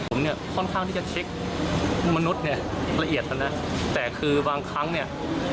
ผมเนี่ยค่อนข้างที่จะเช็คมนุษย์เนี่ยละเอียดแล้วนะแต่คือบางครั้งเนี่ย